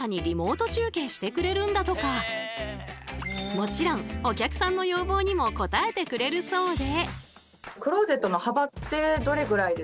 もちろんお客さんの要望にも応えてくれるそうで。